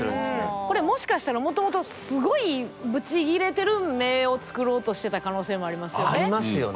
これもしかしたらもともとすごいブチギレてる目をつくろうとしてた可能性もありますよね。